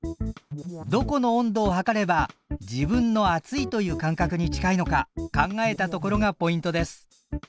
どこの温度を測れば自分の暑いという感覚に近いのか考えたところがポイントです。